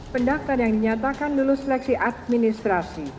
pendaftar yang dinyatakan lulus seleksi administrasi